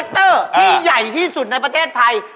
ที่ใหญ่มากในประเทศไทย